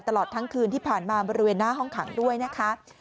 ตลอดทั้งคืนที่ผ่านมาบริเวณหน้าห้องขังด้วยนะคะ